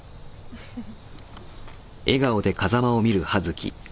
フフフ。